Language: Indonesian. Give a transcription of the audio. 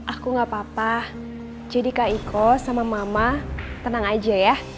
aku gak apa apa jadi kak iko sama mama tenang aja ya